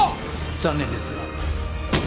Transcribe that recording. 残念ですが。